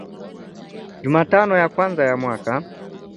Jumatano ya kwanza ya mwaka